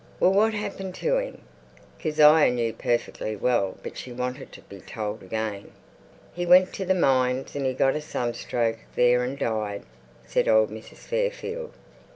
"Well, what happened to him?" Kezia knew perfectly well, but she wanted to be told again. "He went to the mines, and he got a sunstroke there and died," said old Mrs. Fairfield.